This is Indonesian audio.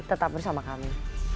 tetap bersama kami